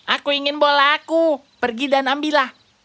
aku ingin bola aku pergi dan ambillah